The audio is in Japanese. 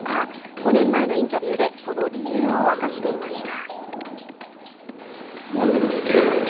５年前のインタビューでその理由を明かしていました。